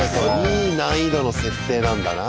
いい難易度の設定なんだな。